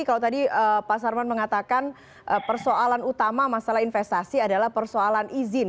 kalau tadi pak sarman mengatakan persoalan utama masalah investasi adalah persoalan izin